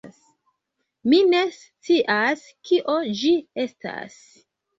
Mi ne scias kio ĝi estas.